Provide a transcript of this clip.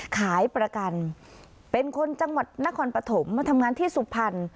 ขายประกันเป็นคนจังหวัดนครปฐมมาทำงานที่สุพรรณ